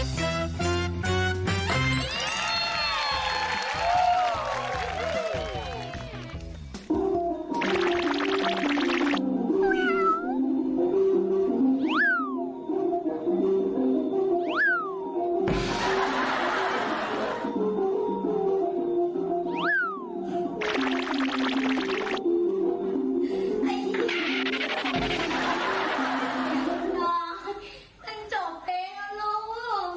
อ๋อน้องนั้นจบเพลงเลยล่ะลูก